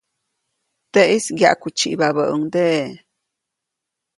Teʼis ŋgyaʼkutsyibabäʼuŋdeʼe.